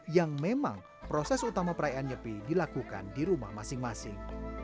yang memang proses utama perayaan nyepi dilakukan di rumah masing masing